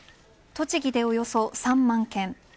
栃木でおよそ３万軒